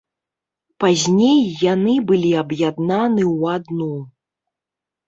Пазней яны былі аб'яднаны ў адну.